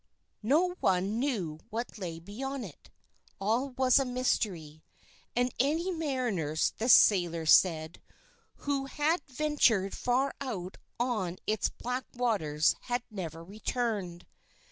No one knew what lay beyond it. All was mystery. And any mariners, the sailors said, who had ventured far out on its black waters had never returned.